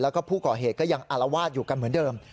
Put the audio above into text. แล้วก็ผู้ก่อเหตุก็ยังอารวาสอยู่กันเหมือนเดิม